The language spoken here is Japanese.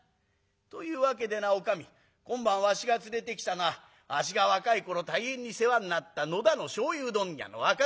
というわけでなおかみ今晩わしが連れてきたのはわしが若い頃大変に世話になった野田の醤油問屋の若旦那だ。